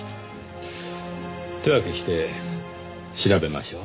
手分けして調べましょう。